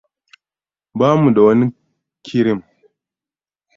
Ba mu da wani kirim.